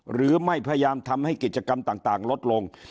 หรือไม่พยายามทำให้กิจกรรมต่างลดลง